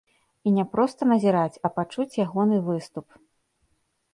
І не проста назіраць, а пачуць ягоны выступ.